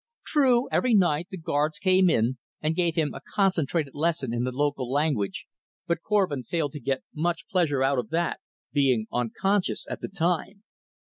True, every night the guards came in and gave him a concentrated lesson in the local language, but Korvin failed to get much pleasure out of that, being unconscious at the time.